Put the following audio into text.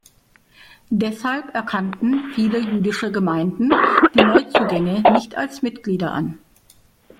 Deshalb erkannten viele jüdische Gemeinden die Neuzugänge nicht als Mitglieder an.